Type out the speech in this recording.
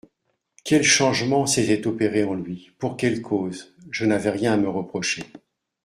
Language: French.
Quel changement s'était opéré en lui ? Pour quelle cause ? Je n'avais rien à me reprocher.